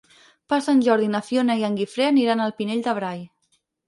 Per Sant Jordi na Fiona i en Guifré aniran al Pinell de Brai.